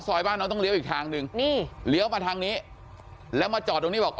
บ้านน้องต้องเลี้ยวอีกทางหนึ่งนี่เลี้ยวมาทางนี้แล้วมาจอดตรงนี้บอก